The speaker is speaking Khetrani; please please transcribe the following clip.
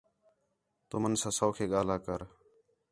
تُمن ساں سَوکھے ڳاھلا کر